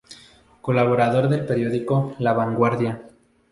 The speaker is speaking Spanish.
Colaborador del periódico "La Vanguardia".